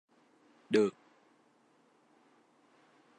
được